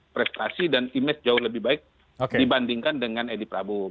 prestasi dan image jauh lebih baik dibandingkan dengan edi prabowo